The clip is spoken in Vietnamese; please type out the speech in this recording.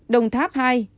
đồng tháp hai ca nhiễm